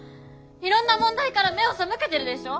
いろんな問題から目を背けてるでしょ！